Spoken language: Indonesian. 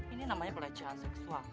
ini namanya pelecehan seksual